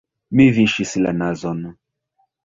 Mi viŝis la nazon.